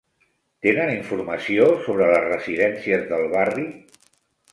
Tenen informació sobre les residències del barri?